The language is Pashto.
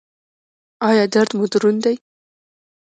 ایا درد مو دروند دی؟